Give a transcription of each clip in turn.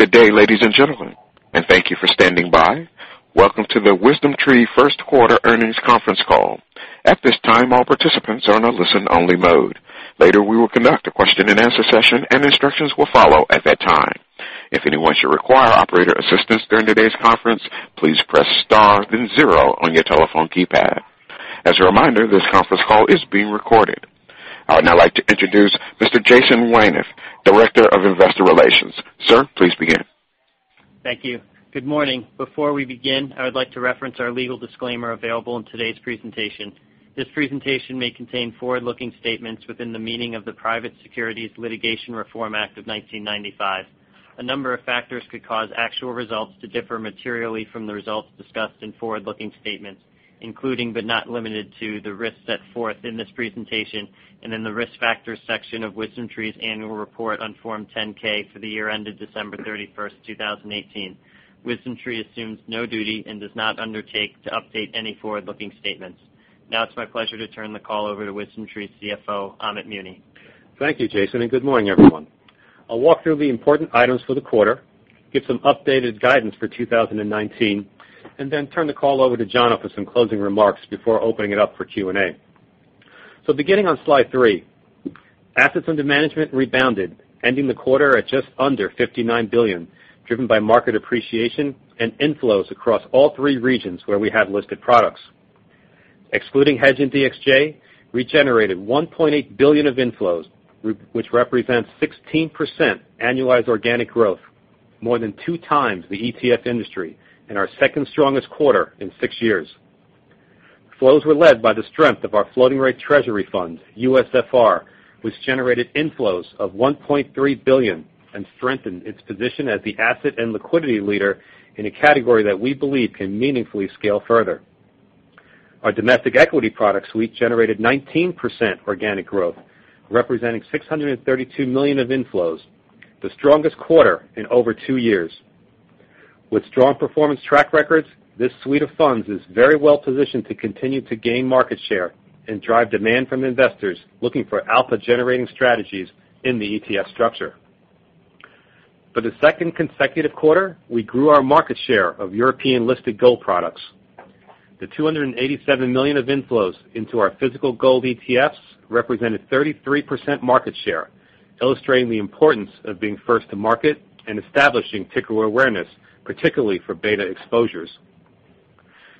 Good day, ladies and gentlemen. Thank you for standing by. Welcome to the WisdomTree first quarter earnings conference call. At this time, all participants are in a listen only mode. Later, we will conduct a question and answer session and instructions will follow at that time. If anyone should require operator assistance during today's conference, please press star then zero on your telephone keypad. As a reminder, this conference call is being recorded. I would now like to introduce Mr. Jason Wisoff, Director of Investor Relations. Sir, please begin. Thank you. Good morning. Before we begin, I would like to reference our legal disclaimer available in today's presentation. This presentation may contain forward-looking statements within the meaning of the Private Securities Litigation Reform Act of 1995. A number of factors could cause actual results to differ materially from the results discussed in forward-looking statements, including, but not limited to, the risks set forth in this presentation and in the Risk Factors section of WisdomTree's annual report on Form 10-K for the year ended December 31, 2018. WisdomTree assumes no duty and does not undertake to update any forward-looking statements. It's my pleasure to turn the call over to WisdomTree's CFO, Amit Muni. Thank you, Jason. Good morning, everyone. I'll walk through the important items for the quarter, give some updated guidance for 2019. Then turn the call over to Jono for some closing remarks before opening it up for Q&A. Beginning on slide three, assets under management rebounded, ending the quarter at just under $59 billion, driven by market appreciation and inflows across all three regions where we have listed products. Excluding hedge in DXJ, we generated $1.8 billion of inflows, which represents 16% annualized organic growth, more than two times the ETF industry, and our second strongest quarter in six years. Flows were led by the strength of our floating rate treasury funds, USFR, which generated inflows of $1.3 billion and strengthened its position as the asset and liquidity leader in a category that we believe can meaningfully scale further. Our domestic equity product suite generated 19% organic growth, representing $632 million of inflows, the strongest quarter in over two years. With strong performance track records, this suite of funds is very well positioned to continue to gain market share and drive demand from investors looking for alpha-generating strategies in the ETF structure. For the second consecutive quarter, we grew our market share of European-listed gold products. The $287 million of inflows into our physical gold ETFs represented 33% market share, illustrating the importance of being first to market and establishing ticker awareness, particularly for beta exposures.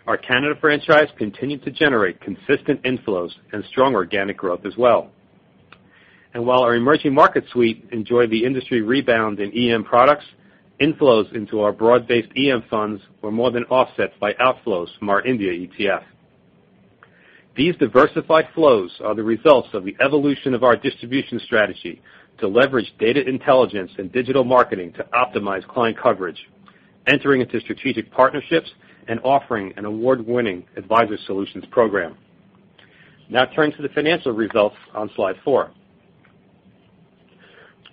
Our Canada franchise continued to generate consistent inflows and strong organic growth as well. While our emerging market suite enjoyed the industry rebound in EM products, inflows into our broad-based EM funds were more than offset by outflows from our India ETF. These diversified flows are the results of the evolution of our distribution strategy to leverage data intelligence and digital marketing to optimize client coverage, entering into strategic partnerships, and offering an award-winning Advisor Solutions Program. Turning to the financial results on slide four.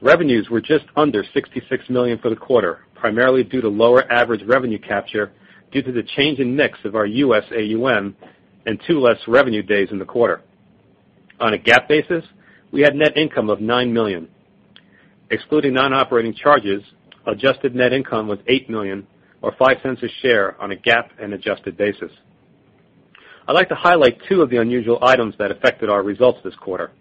Revenues were just under $66 million for the quarter, primarily due to lower average revenue capture due to the change in mix of our USAUM and two less revenue days in the quarter. On a GAAP basis, we had net income of $9 million. Excluding non-operating charges, adjusted net income was $8 million or $0.05 a share on a GAAP and adjusted basis. I'd like to highlight two of the unusual items that affected our results this quarter.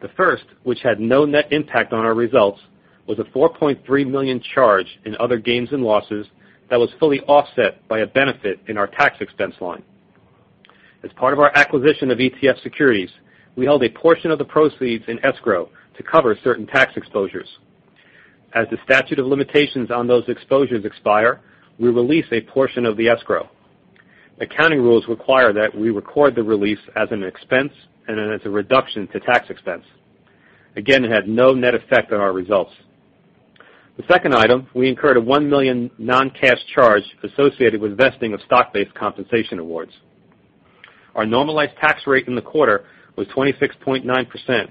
The first, which had no net impact on our results, was a $4.3 million charge in other gains and losses that was fully offset by a benefit in our tax expense line. As part of our acquisition of ETF Securities, we held a portion of the proceeds in escrow to cover certain tax exposures. As the statute of limitations on those exposures expire, we release a portion of the escrow. Accounting rules require that we record the release as an expense and as a reduction to tax expense. Again, it had no net effect on our results. The second item, we incurred a $1 million non-cash charge associated with vesting of stock-based compensation awards. Our normalized tax rate in the quarter was 26.9%,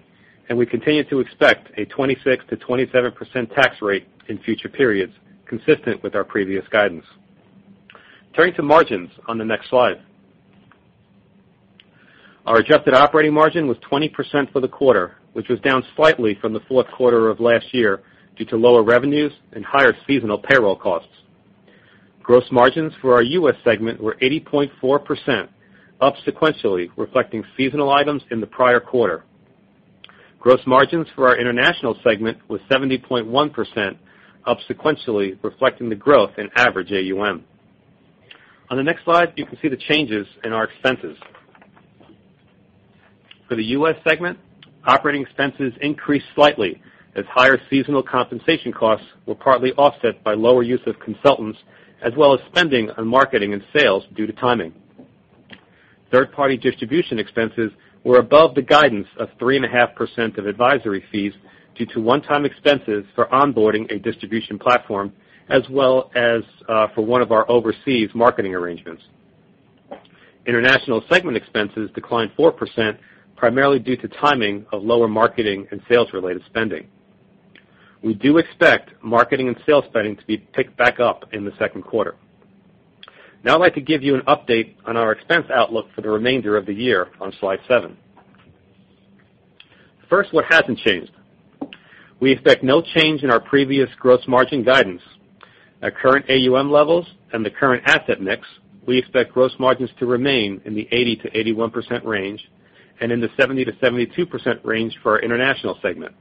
and we continue to expect a 26%-27% tax rate in future periods, consistent with our previous guidance. Turning to margins on the next slide. Our adjusted operating margin was 20% for the quarter, which was down slightly from the fourth quarter of last year due to lower revenues and higher seasonal payroll costs. Gross margins for our U.S. segment were 80.4%, up sequentially, reflecting seasonal items in the prior quarter. Gross margins for our international segment was 70.1%, up sequentially, reflecting the growth in average AUM. On the next slide, you can see the changes in our expenses. For the U.S. segment, operating expenses increased slightly as higher seasonal compensation costs were partly offset by lower use of consultants, as well as spending on marketing and sales due to timing. Third-party distribution expenses were above the guidance of 3.5% of advisory fees due to one-time expenses for onboarding a distribution platform, as well as for one of our overseas marketing arrangements. International segment expenses declined 4%, primarily due to timing of lower marketing and sales-related spending. We do expect marketing and sales spending to be picked back up in the second quarter. I'd like to give you an update on our expense outlook for the remainder of the year on slide seven. First, what hasn't changed. We expect no change in our previous gross margin guidance. At current AUM levels and the current asset mix, we expect gross margins to remain in the 80%-81% range, and in the 70%-72% range for our international segment.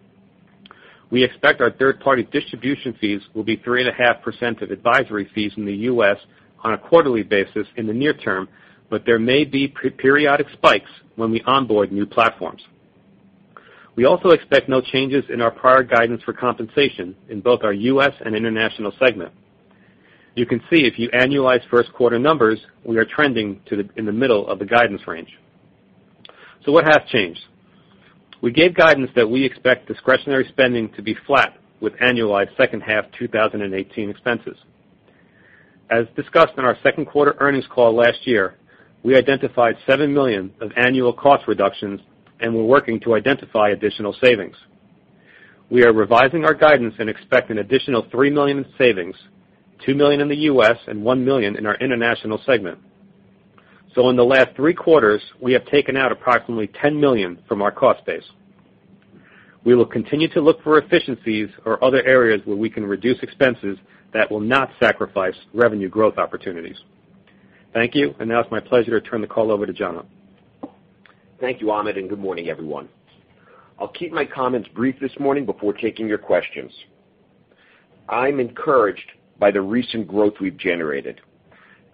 We expect our third-party distribution fees will be 3.5% of advisory fees in the U.S. on a quarterly basis in the near term, but there may be periodic spikes when we onboard new platforms. We also expect no changes in our prior guidance for compensation in both our U.S. and international segment. You can see if you annualize first quarter numbers, we are trending in the middle of the guidance range. What has changed? We gave guidance that we expect discretionary spending to be flat with annualized second half 2018 expenses. As discussed on our second quarter earnings call last year, we identified $7 million of annual cost reductions, and we're working to identify additional savings. We are revising our guidance and expect an additional $3 million in savings, $2 million in the U.S., and $1 million in our international segment. In the last three quarters, we have taken out approximately $10 million from our cost base. We will continue to look for efficiencies or other areas where we can reduce expenses that will not sacrifice revenue growth opportunities. Thank you, and now it's my pleasure to turn the call over to Jono. Thank you, Amit, and good morning, everyone. I'll keep my comments brief this morning before taking your questions. I'm encouraged by the recent growth we've generated.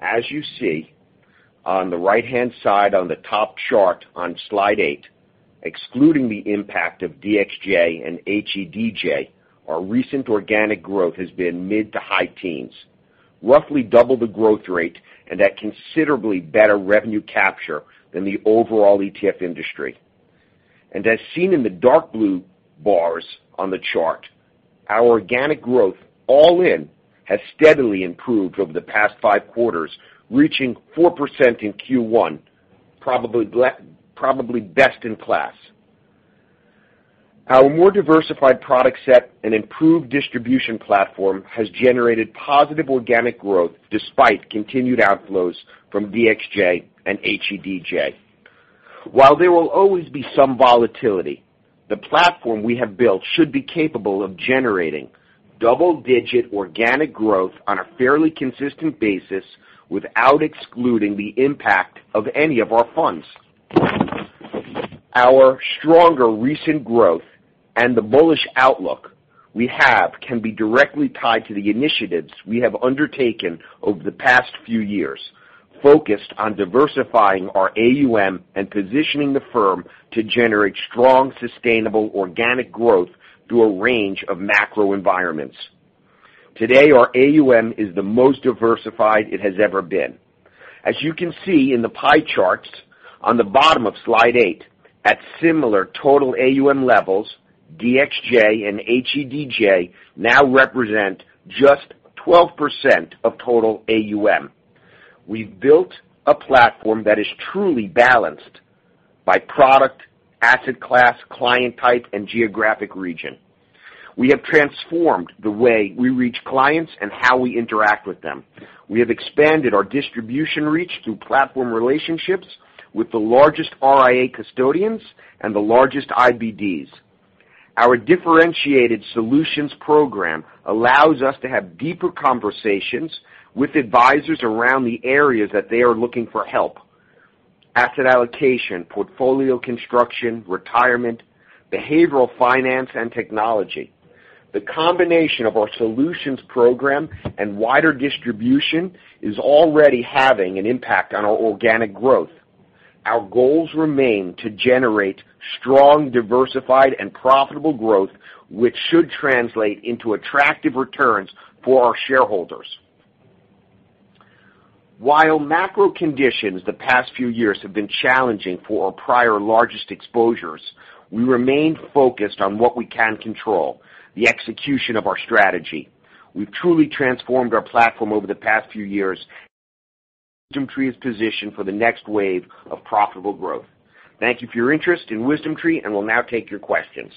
As you see on the right-hand side on the top chart on slide eight, excluding the impact of DXJ and HEDJ, our recent organic growth has been mid to high teens, roughly double the growth rate, and at considerably better revenue capture than the overall ETF industry. As seen in the dark blue bars on the chart, our organic growth all in has steadily improved over the past five quarters, reaching 4% in Q1, probably best in class. Our more diversified product set and improved distribution platform has generated positive organic growth despite continued outflows from DXJ and HEDJ. While there will always be some volatility, the platform we have built should be capable of generating double-digit organic growth on a fairly consistent basis without excluding the impact of any of our funds. Our stronger recent growth and the bullish outlook we have can be directly tied to the initiatives we have undertaken over the past few years, focused on diversifying our AUM and positioning the firm to generate strong, sustainable, organic growth through a range of macro environments. Today, our AUM is the most diversified it has ever been. As you can see in the pie charts on the bottom of slide eight, at similar total AUM levels, DXJ and HEDJ now represent just 12% of total AUM. We've built a platform that is truly balanced by product, asset class, client type, and geographic region. We have transformed the way we reach clients and how we interact with them. We have expanded our distribution reach through platform relationships with the largest RIA custodians and the largest IBDs. Our Differentiated Solutions program allows us to have deeper conversations with advisors around the areas that they are looking for help: asset allocation, portfolio construction, retirement, behavioral finance, and technology. The combination of our solutions program and wider distribution is already having an impact on our organic growth. Our goals remain to generate strong, diversified, and profitable growth, which should translate into attractive returns for our shareholders. While macro conditions the past few years have been challenging for our prior largest exposures, we remain focused on what we can control, the execution of our strategy. We've truly transformed our platform over the past few years. WisdomTree is positioned for the next wave of profitable growth. Thank you for your interest in WisdomTree. We'll now take your questions.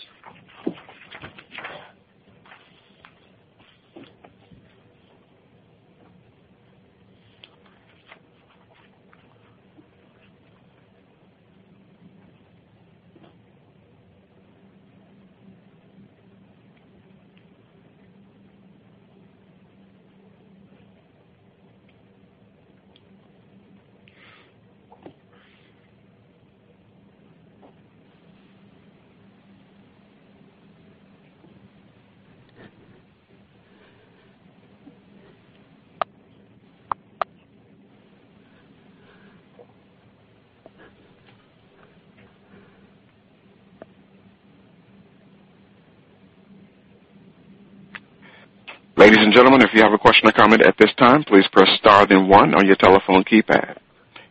Ladies and gentlemen, if you have a question or comment at this time, please press star then one on your telephone keypad.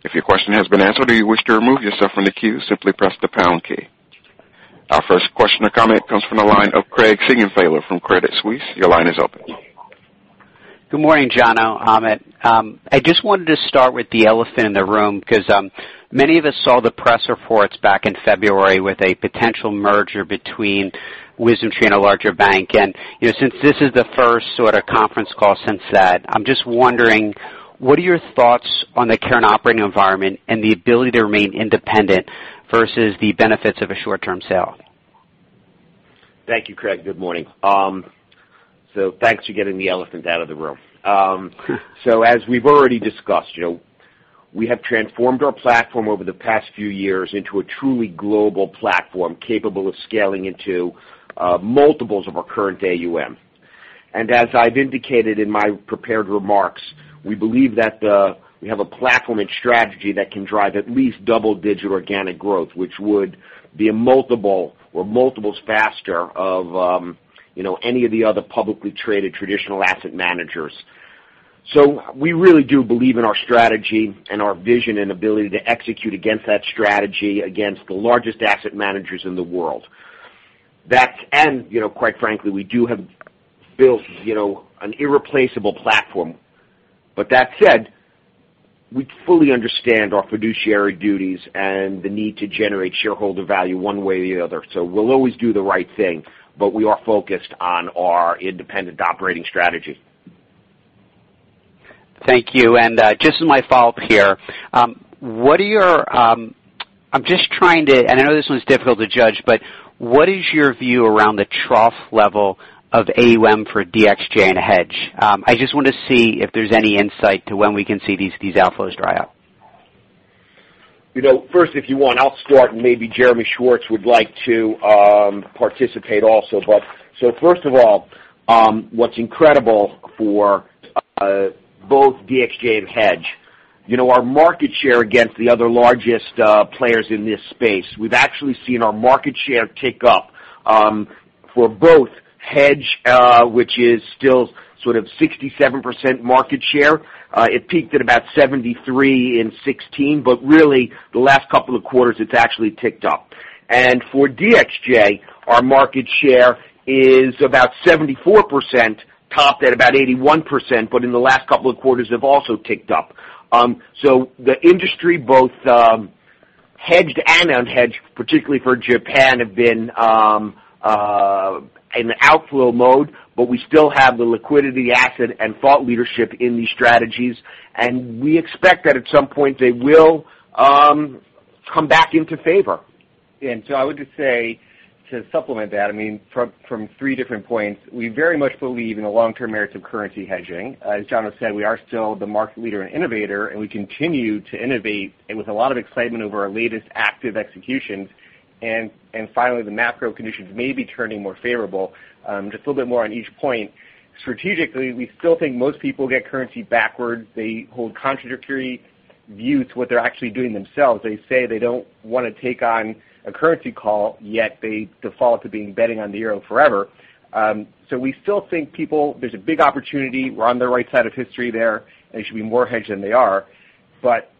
If your question has been answered or you wish to remove yourself from the queue, simply press the pound key. Our first question or comment comes from the line of Craig Siegenthaler from Credit Suisse. Your line is open. Good morning, Jono, Amit. I just wanted to start with the elephant in the room because many of us saw the press reports back in February with a potential merger between WisdomTree and a larger bank. Since this is the first sort of conference call since that, I'm just wondering. What are your thoughts on the current operating environment and the ability to remain independent versus the benefits of a short-term sale? Thank you, Craig. Good morning. Thanks for getting the elephant out of the room. As we've already discussed, we have transformed our platform over the past few years into a truly global platform capable of scaling into multiples of our current AUM. As I've indicated in my prepared remarks, we believe that we have a platform and strategy that can drive at least double-digit organic growth, which would be a multiple or multiples faster of any of the other publicly traded traditional asset managers. We really do believe in our strategy and our vision and ability to execute against that strategy against the largest asset managers in the world. Quite frankly, we do have built an irreplaceable platform. That said, we fully understand our fiduciary duties and the need to generate shareholder value one way or the other. We'll always do the right thing, but we are focused on our independent operating strategy. Thank you. Just as my follow-up here, and I know this one's difficult to judge, but what is your view around the trough level of AUM for DXJ and HEDJ? I just want to see if there's any insight to when we can see these outflows dry out. First, if you want, I'll start, and maybe Jeremy Schwartz would like to participate also. First of all, what's incredible for both DXJ and HEDJ, our market share against the other largest players in this space, we've actually seen our market share tick up for both HEDJ, which is still sort of 67% market share. It peaked at about 73% in 2016, but really the last couple of quarters, it's actually ticked up. For DXJ, our market share is about 74%, topped at about 81%, but in the last couple of quarters have also ticked up. The industry, both hedged and unhedged, particularly for Japan, have been in outflow mode, but we still have the liquidity asset and thought leadership in these strategies, and we expect that at some point they will come back into favor. I would just say to supplement that, from three different points, we very much believe in the long-term merits of currency hedging. As Jono said, we are still the market leader and innovator, and we continue to innovate and with a lot of excitement over our latest active executions. Finally, the macro conditions may be turning more favorable. Just a little bit more on each point. Strategically, we still think most people get currency backwards. They hold contradictory views to what they're actually doing themselves. They say they don't want to take on a currency call, yet they default to being betting on the euro forever. We still think there's a big opportunity. We're on the right side of history there. They should be more hedged than they are, but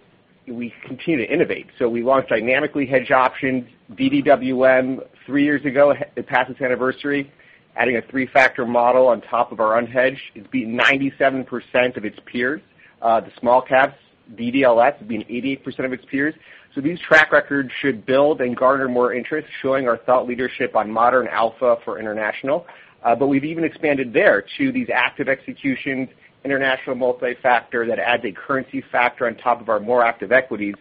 we continue to innovate. We launched dynamically hedged options, DDWM, three years ago. It passed its anniversary. Adding a three-factor model on top of our unhedged. It's beating 97% of its peers. The small caps, DDLS, beating 88% of its peers. These track records should build and garner more interest, showing our thought leadership on Modern Alpha for international. We've even expanded there to these active executions, international multi-factor that adds a currency factor on top of our more active equities.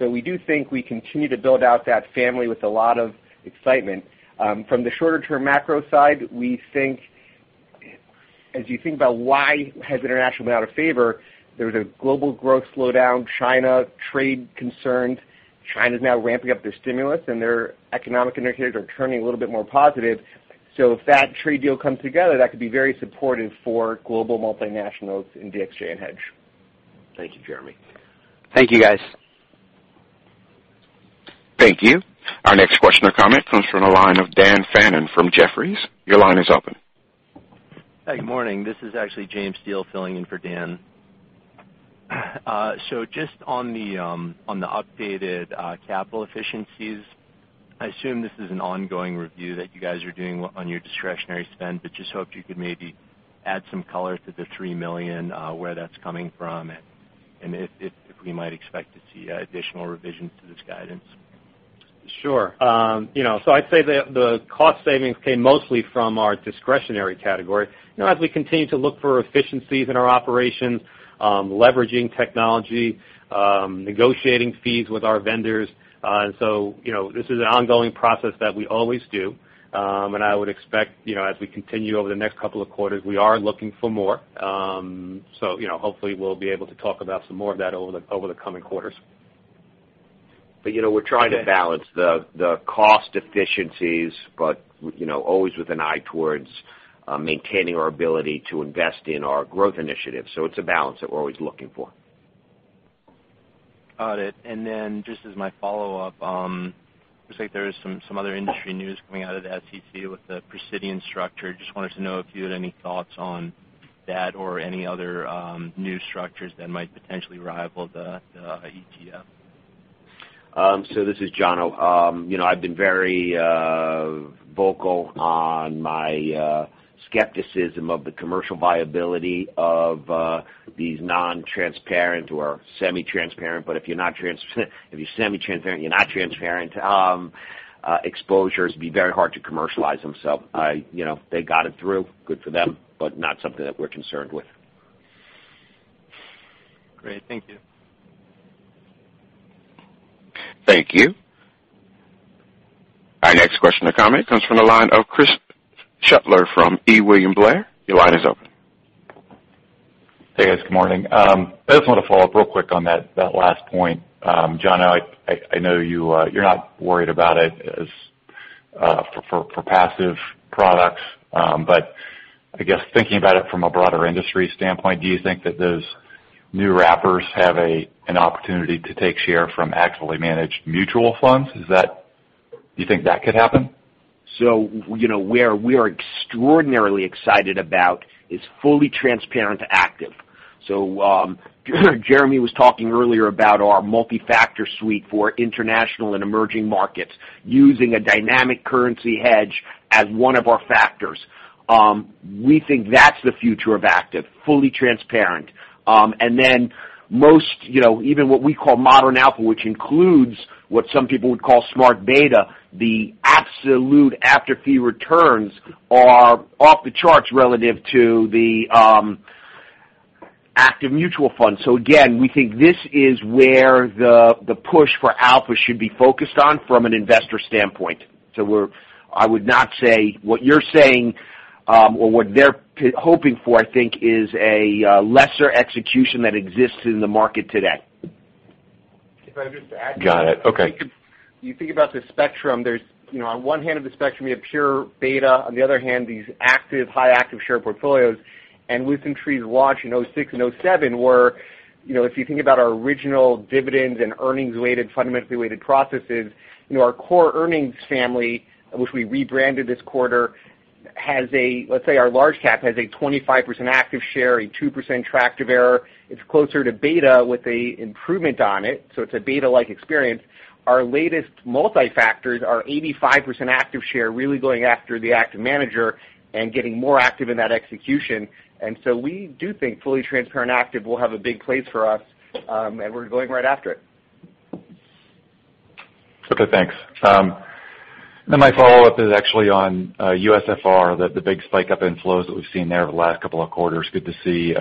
We do think we continue to build out that family with a lot of excitement. From the shorter-term macro side, as you think about why has international been out of favor, there's a global growth slowdown, China trade concerns. China's now ramping up their stimulus, and their economic indicators are turning a little bit more positive. If that trade deal comes together, that could be very supportive for global multinationals in DXJ and HEDJ. Thank you, Jeremy. Thank you, guys. Thank you. Our next question or comment comes from the line of Daniel Fannon from Jefferies. Your line is open. Hi, good morning. This is actually James Steele filling in for Dan. Just on the updated capital efficiencies, I assume this is an ongoing review that you guys are doing on your discretionary spend, but just hoped you could maybe add some color to the $3 million, where that's coming from, and if we might expect to see additional revisions to this guidance. Sure. I'd say the cost savings came mostly from our discretionary category. As we continue to look for efficiencies in our operations, leveraging technology, negotiating fees with our vendors. This is an ongoing process that we always do. I would expect, as we continue over the next couple of quarters, we are looking for more. Hopefully we'll be able to talk about some more of that over the coming quarters. We're trying to balance the cost efficiencies, but always with an eye towards maintaining our ability to invest in our growth initiatives. It's a balance that we're always looking for. Got it. Just as my follow-up, looks like there is some other industry news coming out of the SEC with the Precidian structure. Just wanted to know if you had any thoughts on that or any other new structures that might potentially rival the ETF. This is Jono. I've been very vocal on my skepticism of the commercial viability of these non-transparent or semi-transparent, but if you're semi-transparent, you're not transparent, exposures. Be very hard to commercialize them. They got it through, good for them, but not something that we're concerned with. Great. Thank you. Thank you. Our next question or comment comes from the line of Chris Shutler from William Blair. Your line is open. Hey, guys. Good morning. I just want to follow up real quick on that last point. Jono, I know you're not worried about it for passive products, I guess thinking about it from a broader industry standpoint, do you think that those new wrappers have an opportunity to take share from actively managed mutual funds? Do you think that could happen? Where we are extraordinarily excited about is fully transparent active. Jeremy was talking earlier about our multi-factor suite for international and emerging markets using a dynamic currency hedge as one of our factors. We think that's the future of active, fully transparent. Even what we call Modern Alpha, which includes what some people would call smart beta, the absolute after-fee returns are off the charts relative to the active mutual funds. Again, we think this is where the push for alpha should be focused on from an investor standpoint. I would not say what you're saying, or what they're hoping for, I think, is a lesser execution that exists in the market today. If I just add- Got it. Okay You think about the spectrum, on one hand of the spectrum, you have pure beta, on the other hand, these active, high active share portfolios. WisdomTree's launch in 2006 and 2007 were, if you think about our original dividends and earnings-related, fundamentally weighted processes, our core earnings family, which we rebranded this quarter, let's say our large cap, has a 25% active share, a 2% tracking error. It's closer to beta with a improvement on it, so it's a beta-like experience. Our latest multi-factors are 85% active share, really going after the active manager and getting more active in that execution. We do think fully transparent active will have a big place for us, and we're going right after it. Okay, thanks. My follow-up is actually on USFR, the big spike up in flows that we've seen there over the last 2 quarters. Good to see.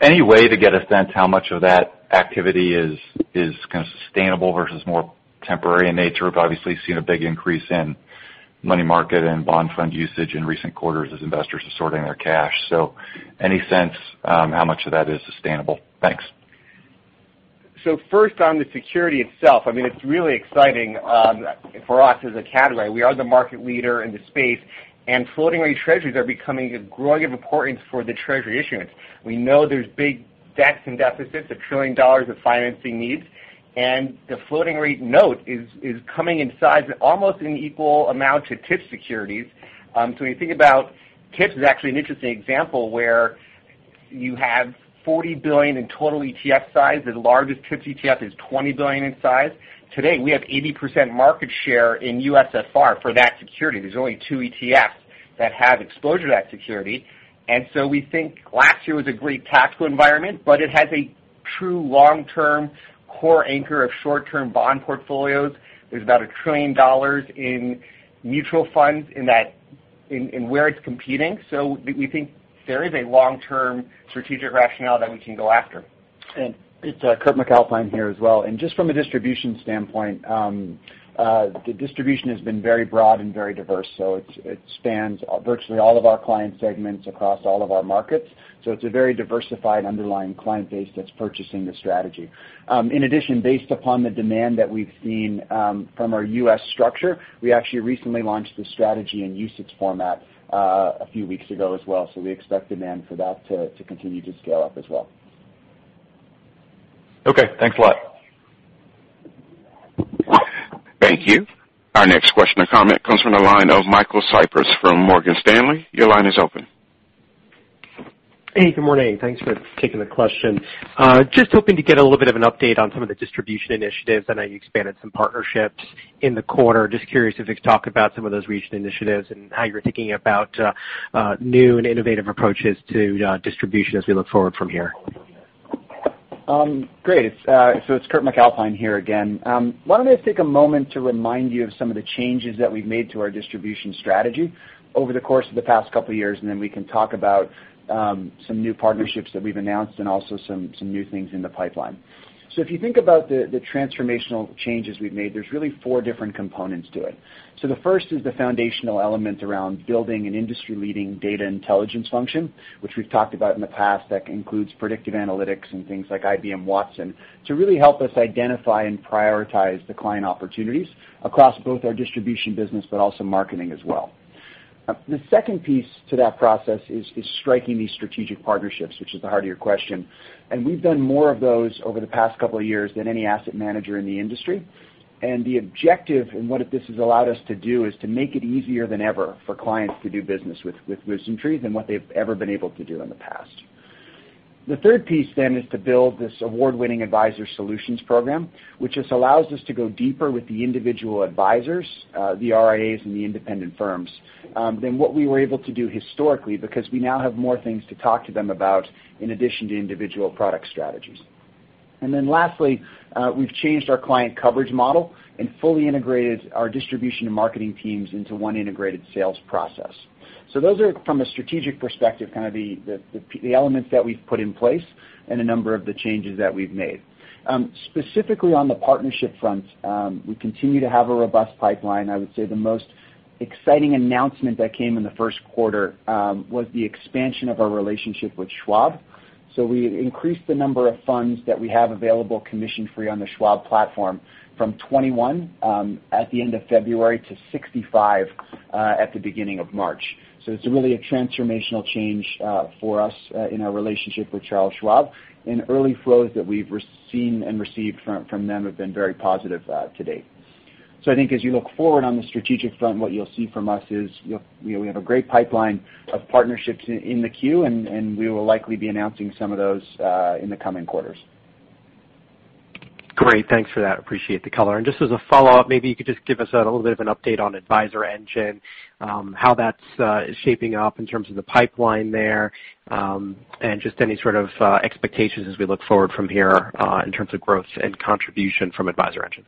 Any way to get a sense how much of that activity is kind of sustainable versus more temporary in nature? We've obviously seen a big increase in money market and bond fund usage in recent quarters as investors are sorting their cash. Any sense how much of that is sustainable? Thanks. First, on the security itself, it's really exciting for us as a category. We are the market leader in the space. Floating-rate treasuries are becoming of growing importance for the Treasury issuance. We know there's big debts and deficits, $1 trillion of financing needs. The floating-rate note is coming in size at almost an equal amount to TIPS securities. When you think about TIPS is actually an interesting example where you have $40 billion in total ETF size. The largest TIPS ETF is $20 billion in size. Today, we have 80% market share in USFR for that security. There's only 2 ETFs that have exposure to that security. We think last year was a great tactical environment, but it has a true long-term core anchor of short-term bond portfolios. There's about $1 trillion in mutual funds in where it's competing. We think there is a long-term strategic rationale that we can go after. It's Kurt MacAlpine here as well. Just from a distribution standpoint, the distribution has been very broad and very diverse. It spans virtually all of our client segments across all of our markets. It's a very diversified underlying client base that's purchasing the strategy. In addition, based upon the demand that we've seen from our U.S. structure, we actually recently launched the strategy in UCITS format a few weeks ago as well. We expect demand for that to continue to scale up as well. Okay, thanks a lot. Thank you. Our next question or comment comes from the line of Michael Cyprys from Morgan Stanley. Your line is open. Hey, good morning. Thanks for taking the question. Just hoping to get a little bit of an update on some of the distribution initiatives. I know you expanded some partnerships in the quarter. Just curious if you could talk about some of those recent initiatives and how you're thinking about new and innovative approaches to distribution as we look forward from here. Great. It's Kurt MacAlpine here again. Why don't I take a moment to remind you of some of the changes that we've made to our distribution strategy over the course of the past couple of years. Then we can talk about some new partnerships that we've announced and also some new things in the pipeline. If you think about the transformational changes we've made, there's really four different components to it. The first is the foundational element around building an industry-leading data intelligence function, which we've talked about in the past, that includes predictive analytics and things like IBM Watson, to really help us identify and prioritize the client opportunities across both our distribution business, but also marketing as well. The second piece to that process is striking these strategic partnerships, which is the heart of your question. We've done more of those over the past couple of years than any asset manager in the industry. The objective, and what this has allowed us to do, is to make it easier than ever for clients to do business with WisdomTree than what they've ever been able to do in the past. The third piece is to build this award-winning Advisor Solutions program, which just allows us to go deeper with the individual advisors, the RIAs, and the independent firms than what we were able to do historically because we now have more things to talk to them about in addition to individual product strategies. Lastly, we've changed our client coverage model and fully integrated our distribution and marketing teams into one integrated sales process. Those are from a strategic perspective, kind of the elements that we've put in place and a number of the changes that we've made. Specifically on the partnership front, we continue to have a robust pipeline. I would say the most exciting announcement that came in the first quarter was the expansion of our relationship with Schwab. We increased the number of funds that we have available commission-free on the Schwab platform from 21 at the end of February to 65 at the beginning of March. It's really a transformational change for us in our relationship with Charles Schwab. Early flows that we've seen and received from them have been very positive to date. I think as you look forward on the strategic front, what you'll see from us is we have a great pipeline of partnerships in the queue, and we will likely be announcing some of those in the coming quarters. Great. Thanks for that. Appreciate the color. Just as a follow-up, maybe you could just give us a little bit of an update on AdvisorEngine, how that's shaping up in terms of the pipeline there, and just any sort of expectations as we look forward from here in terms of growth and contribution from AdvisorEngine.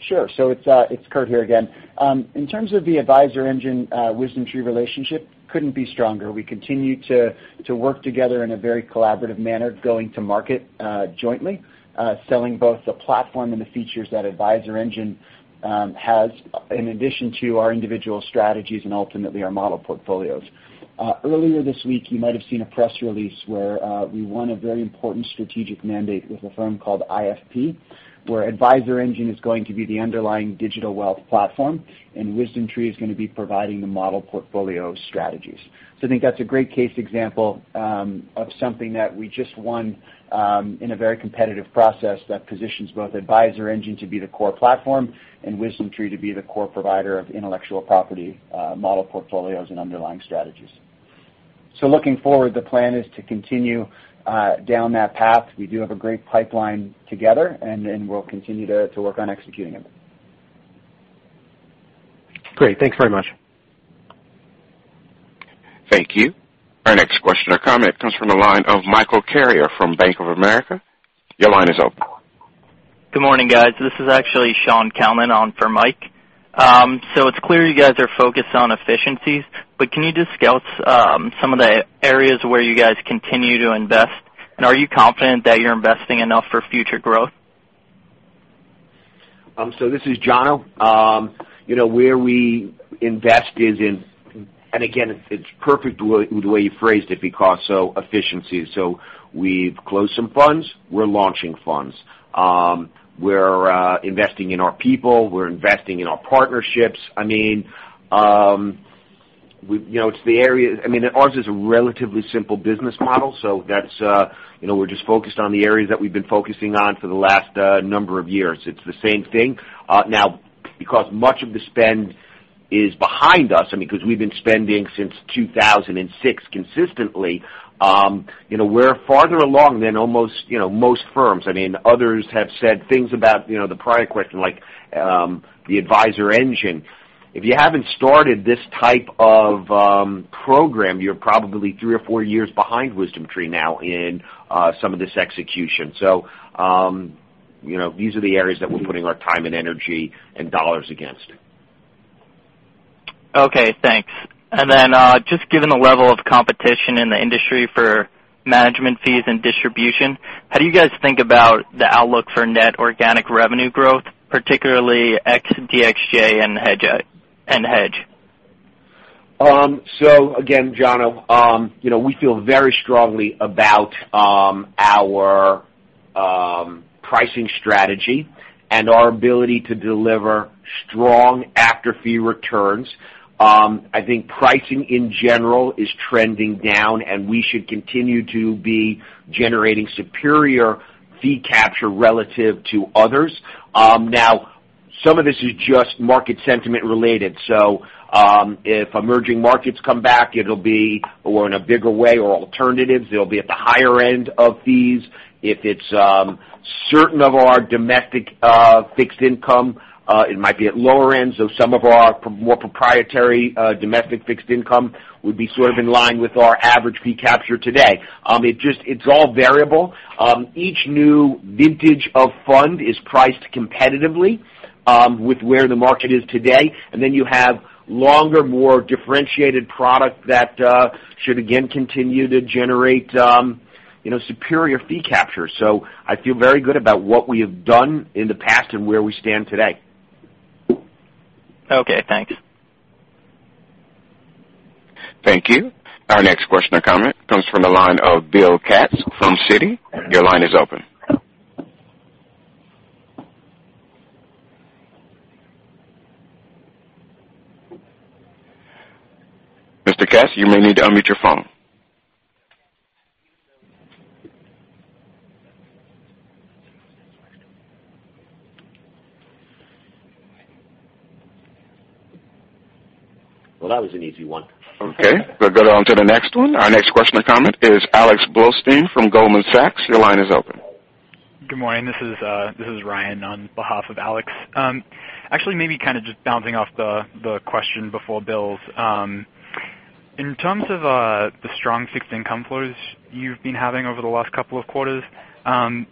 Sure. It's Kurt here again. In terms of the AdvisorEngine WisdomTree relationship, couldn't be stronger. We continue to work together in a very collaborative manner, going to market jointly, selling both the platform and the features that AdvisorEngine has, in addition to our individual strategies and ultimately our model portfolios. Earlier this week, you might have seen a press release where we won a very important strategic mandate with a firm called IFP, where AdvisorEngine is going to be the underlying digital wealth platform, and WisdomTree is going to be providing the model portfolio strategies. I think that's a great case example of something that we just won in a very competitive process that positions both AdvisorEngine to be the core platform and WisdomTree to be the core provider of intellectual property model portfolios and underlying strategies. Looking forward, the plan is to continue down that path. We do have a great pipeline together, and we'll continue to work on executing it. Great. Thanks very much. Thank you. Our next question or comment comes from the line of Michael Carrier from Bank of America. Your line is open. Good morning, guys. This is actually Sean Calman on for Mike. It's clear you guys are focused on efficiencies, but can you just scout some of the areas where you guys continue to invest, and are you confident that you're investing enough for future growth? This is Jono. Where we invest is in, again, it's perfect the way you phrased it because efficiencies. We've closed some funds. We're launching funds. We're investing in our people. We're investing in our partnerships. Ours is a relatively simple business model, so we're just focused on the areas that we've been focusing on for the last number of years. It's the same thing. Because much of the spend is behind us, because we've been spending since 2006 consistently, we're farther along than most firms. Others have said things about the prior question, like the AdvisorEngine. If you haven't started this type of program, you're probably three or four years behind WisdomTree now in some of this execution. These are the areas that we're putting our time and energy, and dollars against. Okay, thanks. Just given the level of competition in the industry for management fees and distribution, how do you guys think about the outlook for net organic revenue growth, particularly ex DXJ and hedge? Again, Jono, we feel very strongly about our pricing strategy and our ability to deliver strong after-fee returns. I think pricing in general is trending down, and we should continue to be generating superior fee capture relative to others. Some of this is just market sentiment related. If emerging markets come back, it'll be, or in a bigger way, or alternatives, they'll be at the higher end of fees. If it's certain of our domestic fixed income, it might be at lower ends, so some of our more proprietary domestic fixed income would be sort of in line with our average fee capture today. It's all variable. Each new vintage of fund is priced competitively with where the market is today, and then you have longer, more differentiated product that should again continue to generate superior fee capture. I feel very good about what we have done in the past and where we stand today. Okay, thanks. Thank you. Our next question or comment comes from the line of William Katz from Citi. Your line is open. Mr. Katz, you may need to unmute your phone. That was an easy one. Okay, we'll go down to the next one. Our next question or comment is Alexander Blostein from Goldman Sachs. Your line is open. Good morning. This is Ryan on behalf of Alex. Actually, maybe kind of just bouncing off the question before Bill's. In terms of the strong fixed income flows you've been having over the last couple of quarters. Can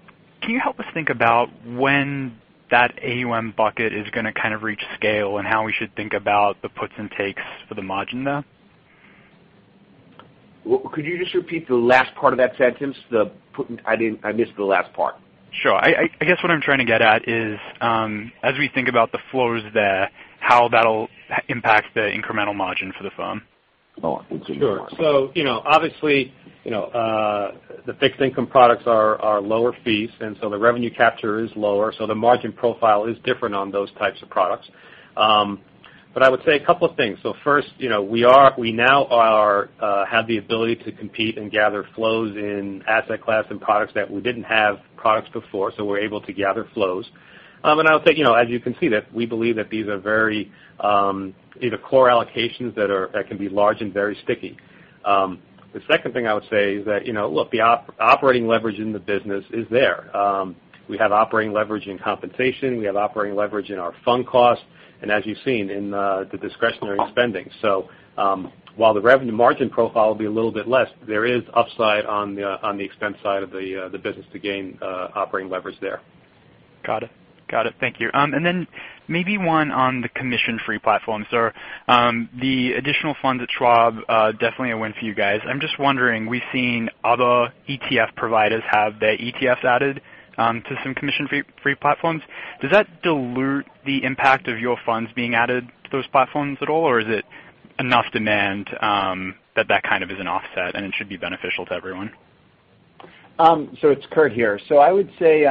you help us think about when that AUM bucket is going to reach scale, and how we should think about the puts and takes for the margin there? Could you just repeat the last part of that sentence? I missed the last part. Sure. I guess what I'm trying to get at is, as we think about the flows there, how that'll impact the incremental margin for the firm. Oh, I see what you want. Obviously, the fixed income products are lower fees, the revenue capture is lower. The margin profile is different on those types of products. I would say a couple of things. First, we now have the ability to compete and gather flows in asset class and products that we didn't have products before. We're able to gather flows. I would say, as you can see, that we believe that these are very either core allocations that can be large and very sticky. The second thing I would say is that, look, the operating leverage in the business is there. We have operating leverage in compensation, we have operating leverage in our fund costs, as you've seen, in the discretionary spending. While the revenue margin profile will be a little bit less, there is upside on the expense side of the business to gain operating leverage there. Got it. Thank you. Then maybe one on the commission-free platforms. The additional funds at Schwab, definitely a win for you guys. I'm just wondering, we've seen other ETF providers have their ETFs added to some commission-free platforms. Does that dilute the impact of your funds being added to those platforms at all, or is it enough demand that kind of is an offset, and it should be beneficial to everyone? It's Kurt here. I would say,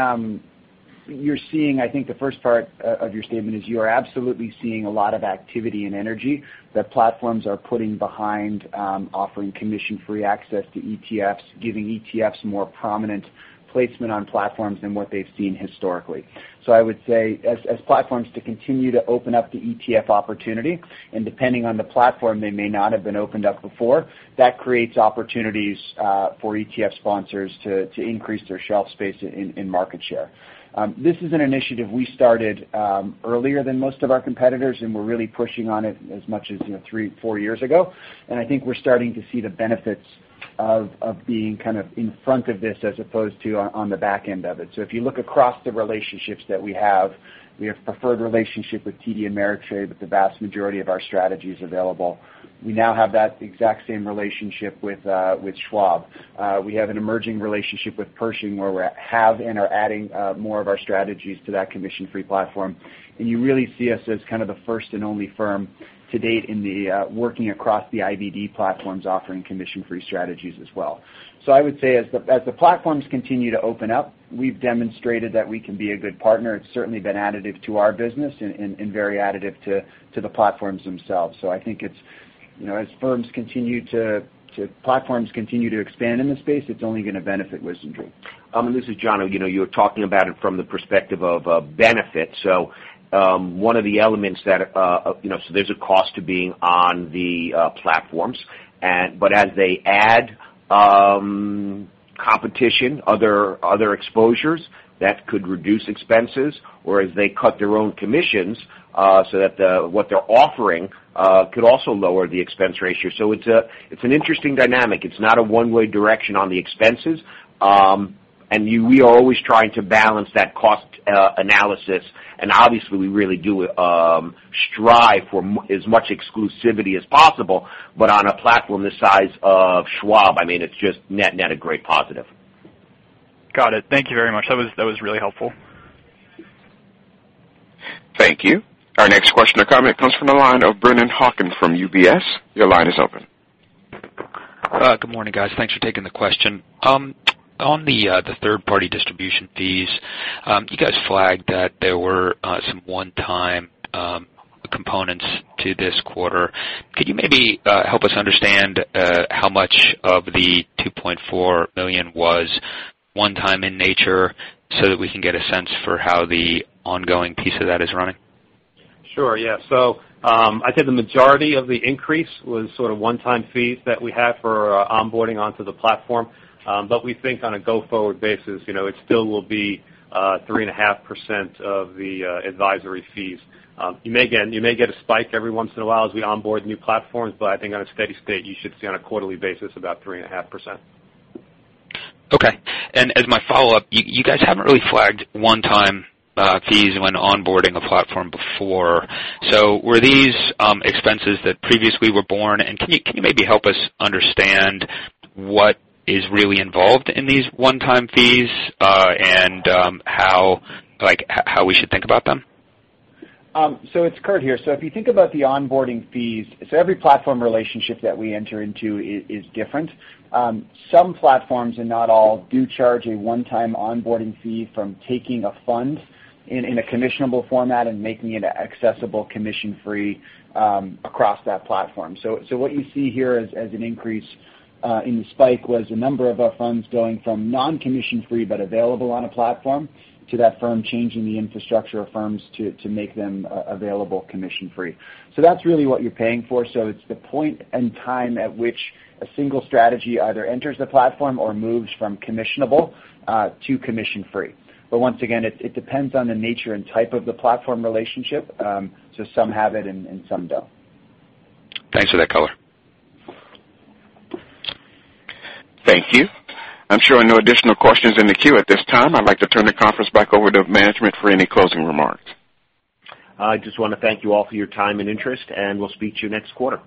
you're seeing, I think the first part of your statement is you are absolutely seeing a lot of activity and energy that platforms are putting behind offering commission-free access to ETFs, giving ETFs more prominent placement on platforms than what they've seen historically. I would say, as platforms continue to open up the ETF opportunity, and depending on the platform, they may not have been opened up before. That creates opportunities for ETF sponsors to increase their shelf space in market share. This is an initiative we started earlier than most of our competitors, and we're really pushing on it as much as three, four years ago. I think we're starting to see the benefits of being in front of this as opposed to on the back end of it. If you look across the relationships that we have, we have preferred relationship with TD Ameritrade with the vast majority of our strategies available. We now have that exact same relationship with Schwab. We have an emerging relationship with Pershing, where we have and are adding more of our strategies to that commission-free platform. You really see us as the first and only firm to date in working across the IBD platforms offering commission-free strategies as well. I would say, as the platforms continue to open up, we've demonstrated that we can be a good partner. It's certainly been additive to our business and very additive to the platforms themselves. I think as platforms continue to expand in the space, it's only going to benefit WisdomTree. This is Jono. You're talking about it from the perspective of benefit. There's a cost to being on the platforms, but as they add competition, other exposures, that could reduce expenses. As they cut their own commissions, so that what they're offering could also lower the expense ratio. It's an interesting dynamic. It's not a one-way direction on the expenses. We are always trying to balance that cost analysis. Obviously, we really do strive for as much exclusivity as possible. On a platform the size of Schwab, it's just net a great positive. Got it. Thank you very much. That was really helpful. Thank you. Our next question or comment comes from the line of Brennan Hawken from UBS. Your line is open. Good morning, guys. Thanks for taking the question. On the third-party distribution fees, you guys flagged that there were some one-time components to this quarter. Could you maybe help us understand how much of the $2.4 million was one time in nature so that we can get a sense for how the ongoing piece of that is running? Sure, yeah. I'd say the majority of the increase was one-time fees that we had for our onboarding onto the platform. We think on a go-forward basis, it still will be 3.5% of the advisory fees. You may get a spike every once in a while as we onboard new platforms, I think on a steady state, you should see on a quarterly basis about 3.5%. Okay. As my follow-up, you guys haven't really flagged one-time fees when onboarding a platform before. Were these expenses that previously were borne? Can you maybe help us understand what is really involved in these one-time fees, and how we should think about them? It's Kurt here. If you think about the onboarding fees, every platform relationship that we enter into is different. Some platforms, and not all, do charge a one-time onboarding fee from taking a fund in a commissionable format and making it accessible commission-free across that platform. What you see here as an increase in the spike was a number of our funds going from non-commission free but available on a platform to that firm changing the infrastructure of firms to make them available commission-free. That's really what you're paying for. It's the point and time at which a single strategy either enters the platform or moves from commissionable to commission-free. Once again, it depends on the nature and type of the platform relationship. Some have it and some don't. Thanks for that color. Thank you. I'm showing no additional questions in the queue at this time. I'd like to turn the conference back over to management for any closing remarks. I just want to thank you all for your time and interest. We'll speak to you next quarter.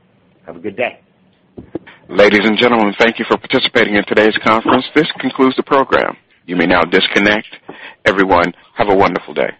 Have a good day. Ladies and gentlemen, thank you for participating in today's conference. This concludes the program. You may now disconnect. Everyone, have a wonderful day.